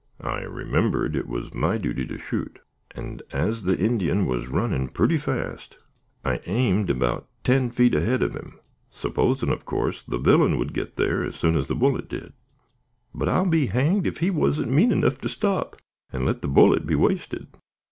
I remembered it was my duty to shoot, and as the Indian was running purty fast, I aimed about ten feet ahead of him, supposing, of course, the villain would git there as soon as the bullet did; but, I'll be hanged if he wasn't mean enough to stop, and let the bullet be wasted.